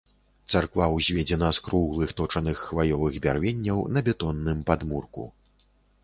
Царква ўзведзена з круглых точаных хваёвых бярвенняў на бетонным падмурку.